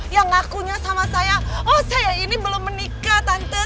yang ngakunya sama saya oh saya ini belum menikah tante